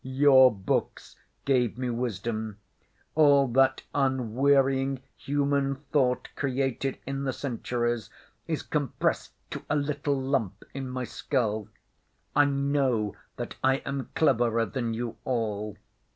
"Your books gave me wisdom. All that unwearying human thought created in the centuries is compressed to a little lump in my skull. I know that I am cleverer than you all.